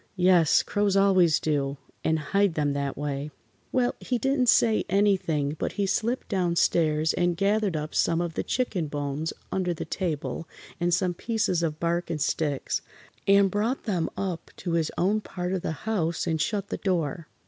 Yes, crows always do, and hide them that way. Well, he didn't say anything, but he slipped down stairs and gathered up some of the chicken bones under the table and some pieces of bark and sticks, and brought them up to his own part of the house and shut the door.